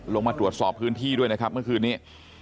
ลงมาตรวจสอบพื้นที่ด้วยนะครับเมื่อคืนนี้